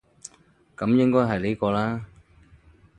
噉應該係呢個喇